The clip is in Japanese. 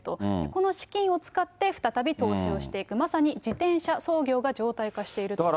この資金を使って、再び投資をしていく、まさに自転車操業が常態化しているといいます。